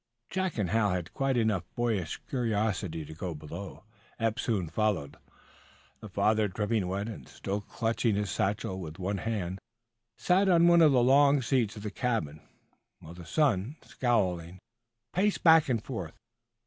Jack and Hal had quite enough boyish curiosity to go below. Eph soon followed. The father, dripping wet and still clutching his satchel with one hand, sat on one of the long seats of the cabin, while the son, scowling, paced back and forth.